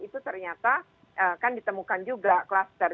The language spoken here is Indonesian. itu ternyata kan ditemukan juga kluster